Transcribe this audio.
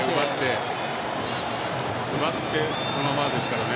奪って、そのままですからね。